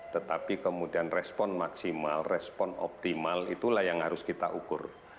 tetapi kemudian respon maksimal respon optimal itulah yang harus kita ukur